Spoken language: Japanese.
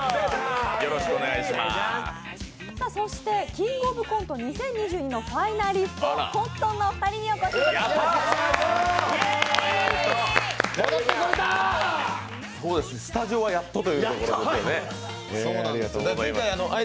そして「キングオブコント２０２２」ファイナリスト、コットンのお二人にお越しいただきました。